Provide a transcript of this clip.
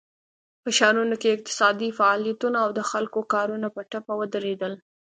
په ښارونو کې اقتصادي فعالیتونه او د خلکو کارونه په ټپه ودرېدل.